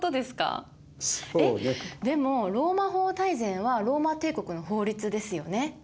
でも「ローマ法大全」はローマ帝国の法律ですよね？